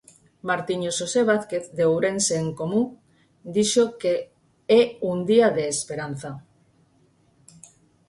Martiño Xosé Vázquez, de Ourense en Común, dixo que é un día de esperanza.